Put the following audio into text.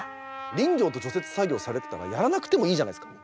林業と除雪作業されてたらやらなくてもいいじゃないですか。